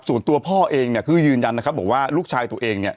ส่วนตัวพ่อเองเนี่ยคือยืนยันนะครับบอกว่าลูกชายตัวเองเนี่ย